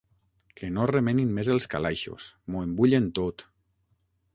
Que no remenin més els calaixos: m'ho embullen tot!